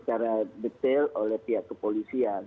terus diberi detail oleh pihak kepolisian